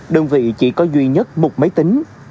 đơn vị chỉ có duy nhất một máy tính